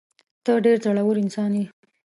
ته ډېر زړه ور انسان یې.